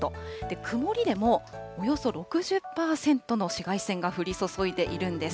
曇りでもおよそ６０％の紫外線が降り注いでいるんです。